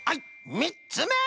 みっつめ！